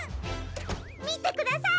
みてください！